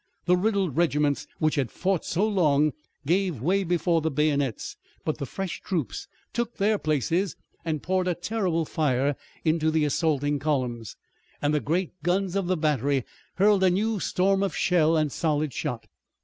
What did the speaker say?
The riddled regiments, which had fought so long, gave way before the bayonets, but the fresh troops took their places and poured a terrible fire into the assaulting columns. And the great guns of the battery hurled a new storm of shell and solid shot.